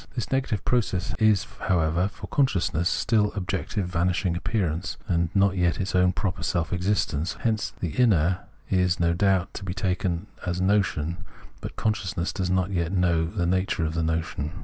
This negative process, however, is for consciousness still objective vanishing appear ance, and not yet its own proper self existence (Filr sichseyn). Hence the inner is no doubt taken to be 138 Phenomenology of Mind notion, but consciousness does not yet know the nature of the notion.